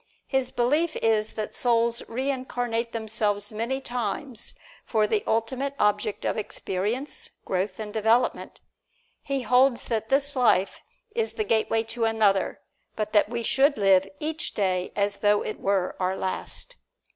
His belief is that souls reincarnate themselves many times for the ultimate object of experience, growth and development. He holds that this life is the gateway to another, but that we should live each day as though it were our last.